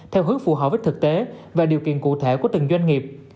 theo hướng phù hợp với thực tế và điều kiện cụ thể của từng doanh nghiệp